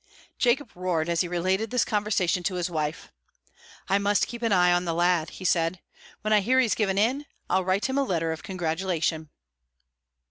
Jacob roared as he related this conversation to his wife. "I must keep an eye on the lad," he said. "When I hear he's given in, I'll write him a letter of congratulation."